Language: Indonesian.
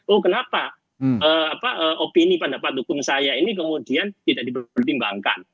oh kenapa opini pendapat hukum saya ini kemudian tidak dipertimbangkan